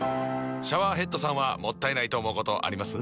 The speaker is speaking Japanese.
シャワーヘッドさんはもったいないと思うことあります？